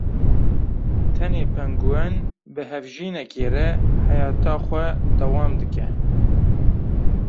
tenê pengûen bi hevjînekê re heyeta xwe dewam dike.